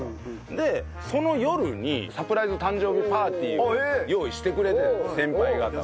でその夜にサプライズ誕生日パーティーを用意してくれて先輩方が。